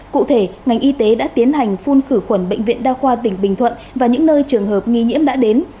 cụ thể ngành y tế đã tiến hành phun khử khuẩn bệnh viện đa khoa tỉnh bình thuận và những nơi trường hợp nghi nhiễm đã đến